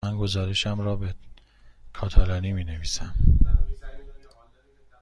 من گزارشم را به کاتالانی می نویسم.